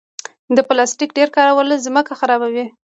د پلاستیک ډېر کارول ځمکه خرابوي.